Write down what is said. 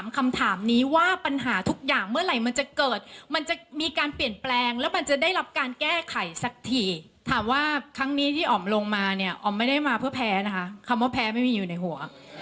คำว่าครั้งนี้ที่ออมลงมาเนี่ยออมไม่ได้มาเพื่อแพ้นะขำว่าแพ้ไม่อยู่ในหัว